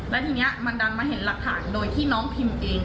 และทีนี้มันดันมาเห็นหลักฐานโดยที่น้องพิมพ์เอง